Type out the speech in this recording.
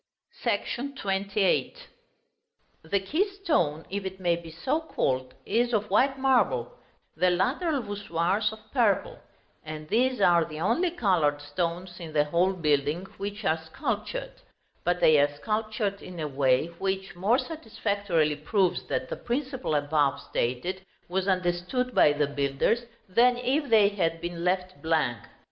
§ XXVIII. The keystone, if it may be so called, is of white marble, the lateral voussoirs of purple; and these are the only colored stones in the whole building which are sculptured; but they are sculptured in a way which, more satisfactorily proves that the principle above stated was understood by the builders, than if they had been left blank.